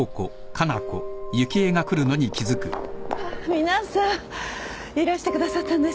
皆さんいらしてくださったんですね。